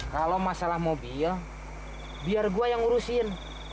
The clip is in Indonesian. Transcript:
kalau masalah mobil biar gua yang urusin